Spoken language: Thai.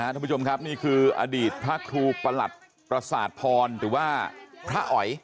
ท่านผู้ชมครับนี่คืออดีตพระครูประหลัดประสาทพรหรือว่าพระอ๋อย